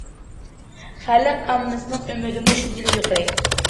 خەلق ئاممىسىنىڭ ئۈمىدىمۇ شۇنچىلىك يۇقىرى.